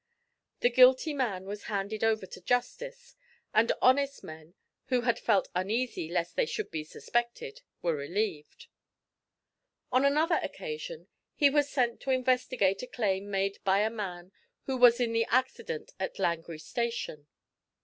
The guilty man was handed over to justice, and honest men, who had felt uneasy lest they should be suspected, were relieved. On another occasion he was sent to investigate a claim made by a man who was in the accident at Langrye Station.